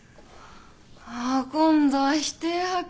あ今度は否定派か。